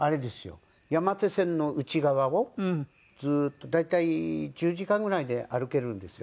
山手線の内側をずっと大体１０時間ぐらいで歩けるんですよね。